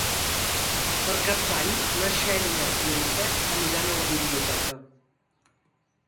Per Cap d'Any na Xènia i en Pep aniran a la biblioteca.